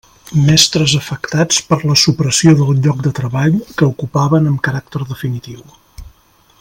Mestres afectats per la supressió del lloc de treball que ocupaven amb caràcter definitiu.